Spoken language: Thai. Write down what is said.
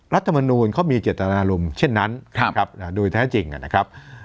รัฐมนูลเขามีเจตนารมณ์เช่นนั้นโดยแท้จริงนะครับ